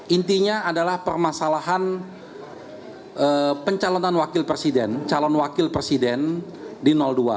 intinya adalah permasalahan pencalonan wakil presiden di dua